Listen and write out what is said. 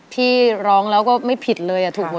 ที่ร้องแล้วไม่ผิดเลย